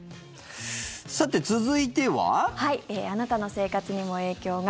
さて、続いては？あなたの生活にも影響が。